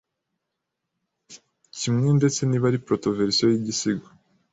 kimwe ndetse niba ari proto-verisiyo yigisigo